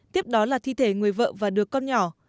tiếp đó là thi thể người vợ và đứa con nhỏ